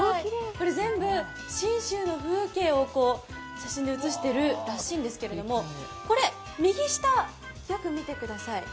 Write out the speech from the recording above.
これ全部信州の風景を写真で写しているらしいんですけど、これ、右下、よく見てください。